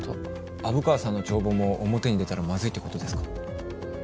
虻川さんの帳簿も表に出たらまずいってことですか？